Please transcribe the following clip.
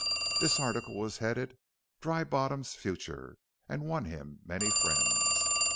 This article was headed: "Dry Bottom's Future," and won him many friends.